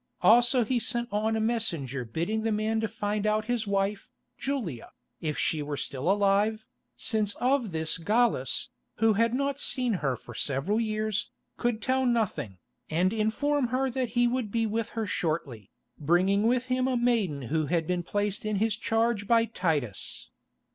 Also he sent on a messenger bidding the man find out his wife, Julia, if she were still alive, since of this Gallus, who had not seen her for several years, could tell nothing, and inform her that he would be with her shortly, bringing with him a maiden who had been placed in his charge by Titus.